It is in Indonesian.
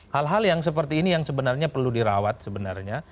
hal hal yang seperti ini yang sebenarnya perlu dirawat sebenarnya